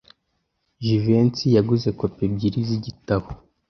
Jivency yaguze kopi ebyiri z'igitabo.